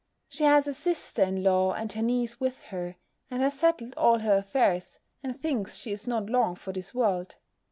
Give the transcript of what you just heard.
She has a sister in law and her niece with her, and has settled all her affairs, and thinks she is not long for this world.